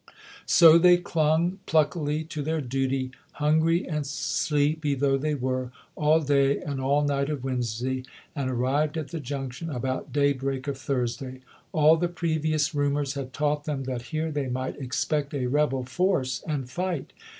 So they clung pluckily to their duty, hungry and sleepy though they were, all day and all night of Wednesday, and arrived at the junction about daybreak of Thursday. All the previous rumors had taught them that here they might expect a rebel force and fight.